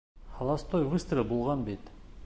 Холостой выстрел булған бит!